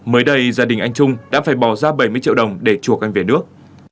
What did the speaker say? mới đây gia đình anh trung đã phải bỏ ra bảy mươi triệu đồng để chùa anh về nước